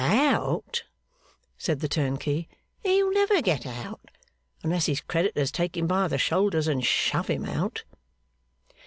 'Out?' said the turnkey, 'he'll never get out, unless his creditors take him by the shoulders and shove him out.